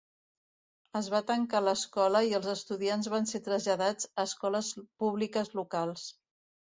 Es va tancar l'escola i els estudiants van ser traslladats a escoles públiques locals.